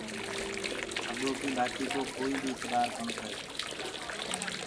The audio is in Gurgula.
ٺڳو ڪيٚ بآتينٚ ڪو ڪوئي بي اتبآر ڪونآ ڪري۔